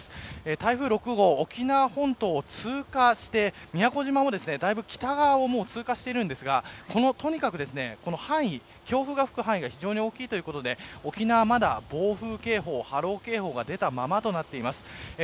台風６号、沖縄本島を通過して宮古島の、だいぶ北側を通過しているんですがこの範囲、強風が吹く範囲が大きいということで沖縄は暴風警報、波浪警報が出たままとなっています。